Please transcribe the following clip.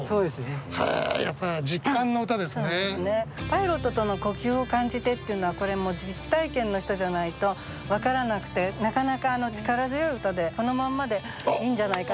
「パイロットとの呼吸を感じて」っていうのはこれはもう実体験の人じゃないと分からなくてなかなか力強い歌でこのまんまでいいんじゃないかなと思います。